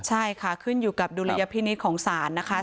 ใช่ค่ะขึ้นอยู่กับดุลยพินิษฐ์ของศาลนะคะ